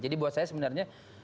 jadi buat saya sebenarnya